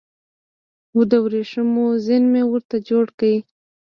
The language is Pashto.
د وریښمو زین مې ورته جوړ کړ